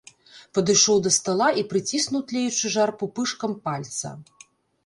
Падышоў да стала і прыціснуў тлеючы жар пупышкам пальца.